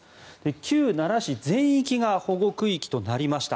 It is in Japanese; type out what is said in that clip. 旧奈良市全域が保護区域となりました。